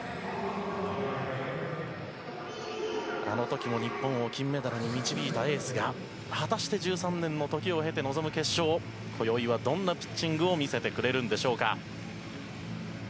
あの時も日本を金メダルに導いたエースが果たして１３年の時を経て臨む決勝今宵はどんなピッチングを見せてくれるんでしょうか。